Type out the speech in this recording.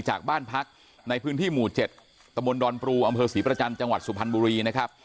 จากบ้านพักในพื้นที่หมู่๗ตดปรูอศรีประจันทร์จังหวัดสุพรรณบุรี